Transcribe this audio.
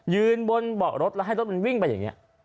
บนเบาะรถแล้วให้รถมันวิ่งไปอย่างนี้